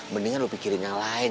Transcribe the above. mendingan lo mikirin yang lain